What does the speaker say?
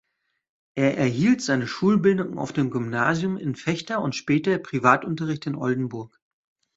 Er erhielt seine Schulbildung auf dem Gymnasium in Vechta und später Privatunterricht in Oldenburg.